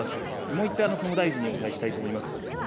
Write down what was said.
もう１点、総務大臣にお伺いしたいと思います。